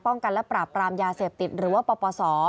กันและปราบปรามยาเสพติดหรือว่าปปศ